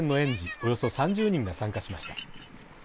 およそ３０人が参加しました。